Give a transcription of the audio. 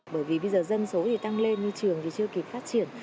bởi vì bây giờ dân số thì tăng lên như trường thì chưa kịp phát triển